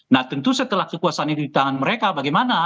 nah tentu setelah kekuasaan itu di tangan mereka bagaimana